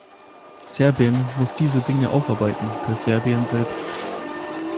Serbien muss diese Dinge aufarbeiten für Serbien selbst.